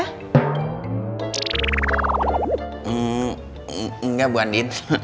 hmm enggak bu andien